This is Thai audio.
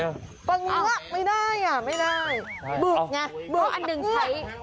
ปลาเงือกไม่ได้ไม่ได้บึกไงเพราะอันหนึ่งใช้